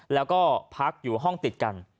แล้วก็พักอยู่ห้องติดกัน